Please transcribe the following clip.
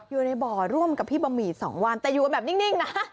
อยู่ในบ่อร่วมกับพี่บะหมี่๒วันแต่อยู่กันแบบนิ่งนะ